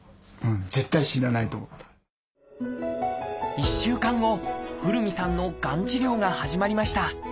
１週間後古海さんのがん治療が始まりました。